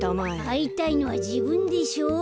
あいたいのはじぶんでしょう。